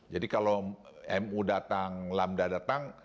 jadi kalau mu datang lambda datang